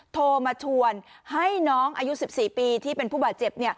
โทรมาชวนให้น้องอายุ๑๔ปีที่เป็นผู้บาดเจ็บ